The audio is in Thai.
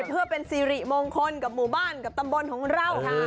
เพื่อเป็นสิริมงคลกับหมู่บ้านกับตำบลของเรา